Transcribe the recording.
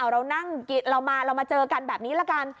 เรามาเจอกันแบบนี้ละกัน